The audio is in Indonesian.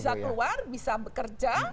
bisa keluar bisa bekerja